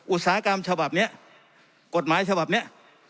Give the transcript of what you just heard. อุตสาหกรรมฉบับนี้กฎหมายฉบับนี้